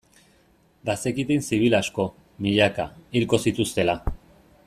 Bazekiten zibil asko, milaka, hilko zituztela.